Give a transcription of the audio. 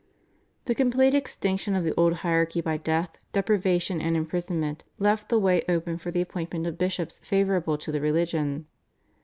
The complete extinction of the old hierarchy by death, deprivation and imprisonment, left the way open for the appointment of bishops favourable to the religion.